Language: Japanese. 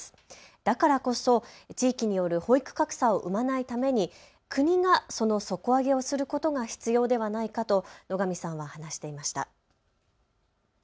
だからこそ地域による保育格差を生まないために国がその底上げをすることが必要ではないかと野上さんは話していました。